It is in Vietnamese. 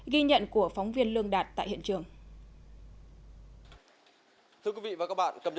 ghi nhận của phóng viên lương đạt tại hiện trường